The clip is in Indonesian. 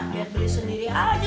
biar beli sendiri aja